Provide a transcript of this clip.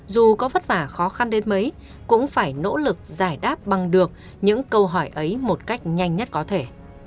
dù có vất vả khó khăn đến mấy cũng phải nỗ lực giải đáp bằng được những câu hỏi ấy một cách nhanh nhất có thể